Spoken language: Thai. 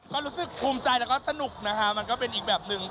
ก็รู้สึกภูมิใจแล้วก็สนุกนะคะมันก็เป็นอีกแบบหนึ่ง